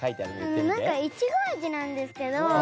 なんかいちご味なんですけど。